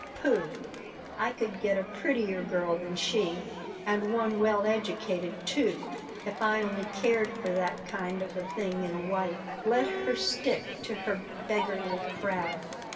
Pooh! I could get a prettier girl than she, and one well educated, too, if I only cared for that kind of thing in a wife. Let her stick to her beggarly crowd!"